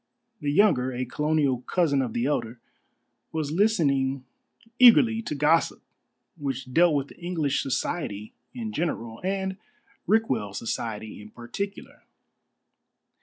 The younger a colonial cousin of the elder was listening eagerly to gossip which dealt with English society in general, and Rickwell society in particular.